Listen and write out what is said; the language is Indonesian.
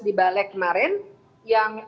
di balek kemarin yang